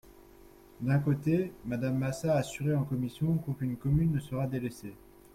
D’un côté, Madame Massat a assuré en commission qu’aucune commune ne sera délaissée.